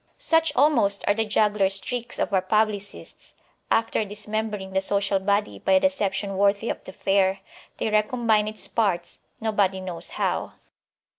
Such almost are the juggler's tricks of our publicists; after dismembering the social body by a deception worthy of the fair, they recombine its parts, nobody knows how.